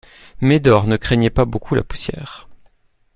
Médor ne craignait pas beaucoup la poussière.